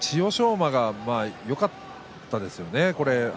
馬がよかったですよね。